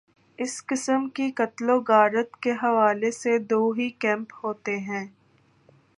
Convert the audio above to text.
اس قسم کی قتل وغارت کے حوالے سے دو ہی کیمپ ہوتے ہیں۔